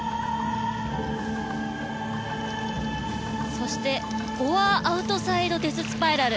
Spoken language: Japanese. そしてフォアアウトサイドデススパイラル。